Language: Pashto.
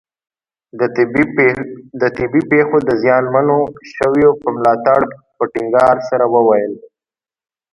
د طبیعي پېښو د زیانمنو شویو پر ملاتړ په ټینګار سره وویل.